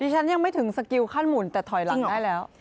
ฉันยังไม่ถึงสกิลขั้นหมุนแต่ถอยหลังได้แล้ว